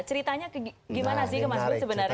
ceritanya bagaimana sih ke mas put sebenarnya